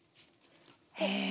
へえ！